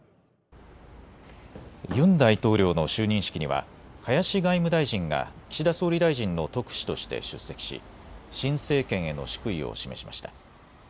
ユン大統領の就任式には林外務大臣が岸田総理大臣の特使として出席し新政権への祝意を示しました。